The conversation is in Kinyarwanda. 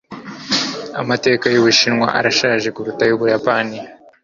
Amateka y'Ubushinwa arashaje kuruta ay'Ubuyapani.